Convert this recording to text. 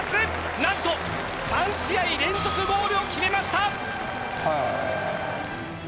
何と３試合連続ゴールを決めました。